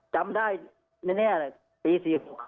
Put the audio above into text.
จำได้แน่ปี๔๘